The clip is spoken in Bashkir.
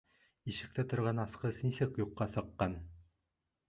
Ишектә торған асҡыс нисек юҡҡа сыҡҡан?